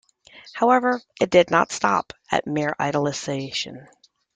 However, it did not stop at mere idolisation.